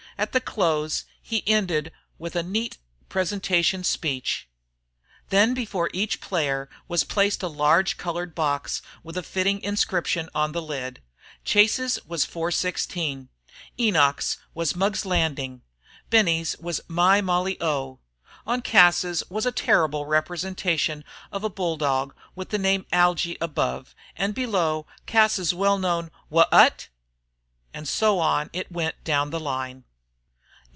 At the close he ended with a neat presentation speech. Then before each player was placed a large colored box with a fitting inscription on the lid. Chase's was "416." Enoch's was "Mugg's Landing." Benny's was "My Molly O." On Cas's was a terrible representation of a bulldog, with the name "Algy" above, and below Cas's well known "Wha at?" And so on it went down the line.